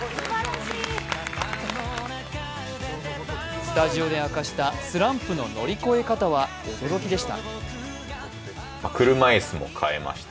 スタジオで明かしたスランプの乗り越え方は驚きでした。